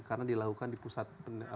karena dilakukan di pusat